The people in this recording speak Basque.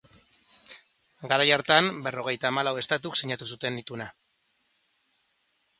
Garai hartan, berrogeita hamalau estatuk sinatu zuten Ituna.